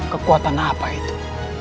kekuatan apa itu